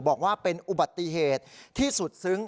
บอกว่าเป็นอุบัติเหตุที่สุดซึ้ง